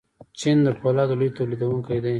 چین د فولادو لوی تولیدونکی دی.